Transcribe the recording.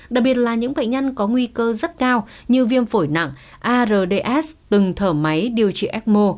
đặc biệt là những bệnh nhân có nguy cơ rất cao như viêm phổi nặng ards từng thở máy điều trị ecmo